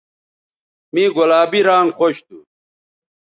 مے گلابی رانگ خوش تھو